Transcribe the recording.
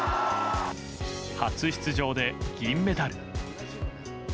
初出場で銀メダル。